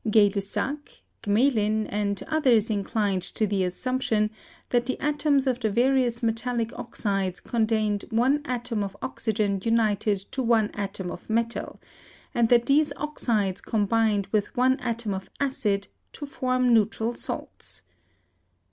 Gay Lussac, Gme lin, and others inclined to the assumption that the atoms of the various metallic oxides contained one atom of oxy gen united to one atom of metal, and that these oxides' combined with one atom of acid to form neutral salts.